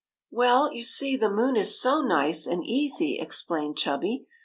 " ''Well, you see, the moon is so nice and easy," explained Chubby.